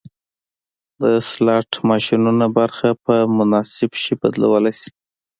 د سلاټ ماشینونو برخه په مناسب شي بدلولی شو